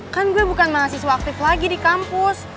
kan gue bukan mahasiswa aktif lagi di kampus